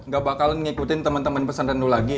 gak bakalan ngikutin temen temen pesantren lu lagi